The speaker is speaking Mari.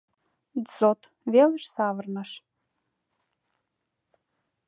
ДЗОТ велыш савырныш.